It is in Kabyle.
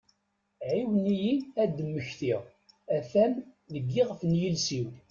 Ɛiwen-iyi ad mmektiɣ, atan deg iɣef nyiules-iw!